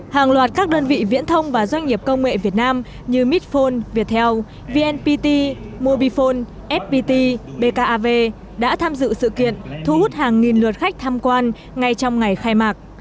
hàng loạt các đơn vị viễn thông và doanh nghiệp công nghệ việt nam như mitphone viettel vnpt mobifone fpt bkav đã tham dự sự kiện thu hút hàng nghìn lượt khách tham quan ngay trong ngày khai mạc